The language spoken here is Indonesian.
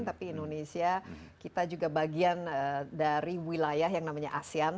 tapi indonesia kita juga bagian dari wilayah yang namanya asean